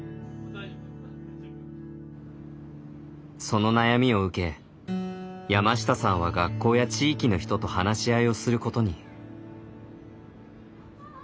その悩みを受け山下さんは学校や地域の人と話し合いをすることに。